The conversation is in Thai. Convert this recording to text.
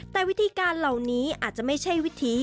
แต่วิธีการเหล่านี้อาจจะไม่ใช่วิธี